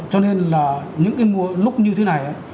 cho nên là những cái lúc như thế này